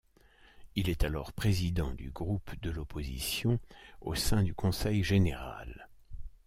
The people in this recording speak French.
Il est alors président du groupe de l’opposition au sein du Conseil général.